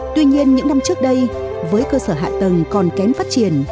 tuy nhiên những năm trước đây với cơ sở hạ tầng còn kém phát triển